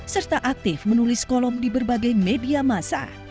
serta aktif menulis kolom di berbagai media masa